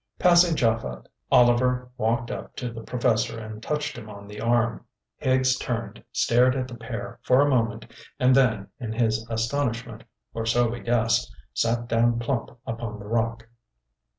Passing Japhet, Oliver walked up to the Professor and touched him on the arm. Higgs turned, stared at the pair for a moment, and then, in his astonishment, or so we guessed, sat down plump upon the rock.